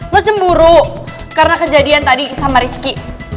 lo cemburu karena kejadian tadi sama rizky